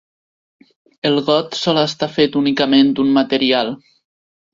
El got sol estar fet únicament d'un material.